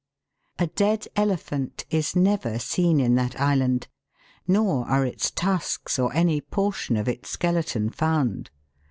A dead elephant is never seen in that island, nor are BIRDS SELDOM BURIED. 253 its tusks or any portion of its skeleton found.